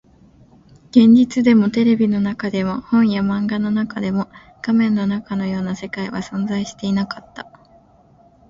現実でも、テレビの中でも、本や漫画の中でも、画面の中のような世界は存在していなかった